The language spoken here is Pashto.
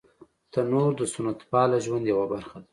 تنور د سنت پاله ژوند یوه برخه ده